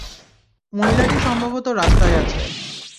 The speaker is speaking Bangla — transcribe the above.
মহিলাটি এখন সম্ভবত রাস্তাই আছে।